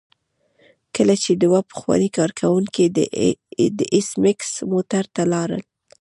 کله چې دوه پخواني کارکوونکي د ایس میکس موټر ته لاړل